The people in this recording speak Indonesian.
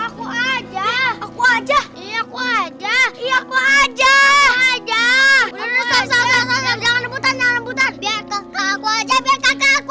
aku aja aku aja aku aja aku aja jangan lembutan lembutan aku aja aku aja aku